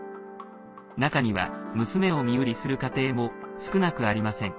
中には、娘を身売りする家庭も少なくありません。